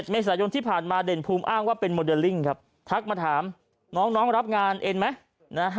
เมษายนที่ผ่านมาเด่นภูมิอ้างว่าเป็นโมเดลลิ่งครับทักมาถามน้องรับงานเอ็นไหม